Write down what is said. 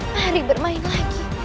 mari bermain lagi